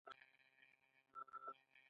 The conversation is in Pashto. پخوا به د خلکو په جېب کې سل افغانۍ نه وې.